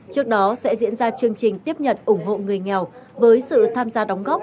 trước đó sẽ diễn ra chương trình tiếp nhận ủng hộ người nghèo với sự tham gia đóng góp